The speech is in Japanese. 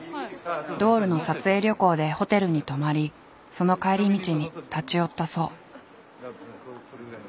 ドールの撮影旅行でホテルに泊まりその帰り道に立ち寄ったそう。